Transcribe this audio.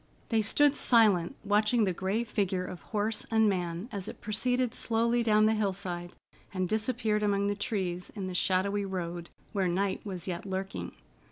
They stood silent, watching the gray figure of horse and man as it proceeded slowly down the hillside and disappeared among the trees in the shadowy road, where night was yet lurking.